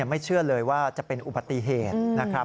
ไม่เชื่อเลยว่าจะเป็นอุบัติเหตุนะครับ